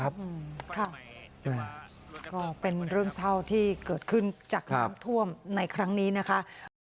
ก็เป็นเรื่องเศร้าที่เกิดขึ้นจากน้ำท่วมในครั้งนี้นะคะ